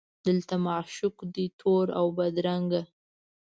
دلته معشوق دی تور اوبدرنګه